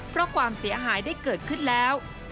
เพราะความเสียหายได้เกิดขึ้นแล้ว